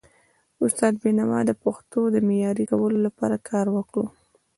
استاد بینوا د پښتو د معیاري کولو لپاره کار وکړ.